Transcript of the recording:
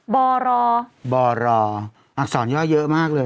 บรบรออักษรย่อเยอะมากเลย